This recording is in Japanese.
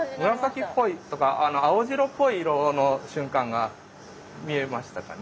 紫っぽいとか青白っぽい色の瞬間が見えましたかね？